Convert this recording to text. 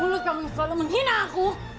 mulut kamu yang selalu menghina aku